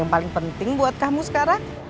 yang paling penting buat kamu sekarang